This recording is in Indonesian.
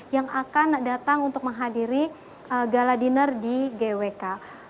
yang akan datang untuk menghadiri gala dinner di gwk